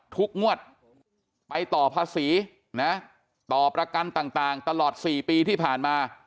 ทุกงวดไปต่อภาษีนะต่อประกันต่างตลอด๔ปีที่ผ่านมา